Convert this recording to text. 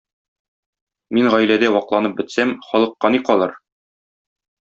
Мин гаиләдә вакланып бетсәм, халыкка ни калыр?